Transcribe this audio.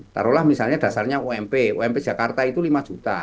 taruhlah misalnya dasarnya ump ump jakarta itu lima juta